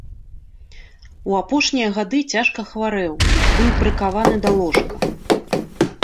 У апошнія гады цяжка хварэў, быў прыкаваны да ложка.